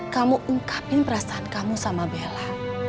kamu ungkapin perasaan kamu sama bella